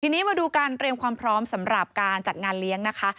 ทีนี้มาดูการเตรียมความพร้อมสำหรับการจัดงานเลี้ยงนะคะ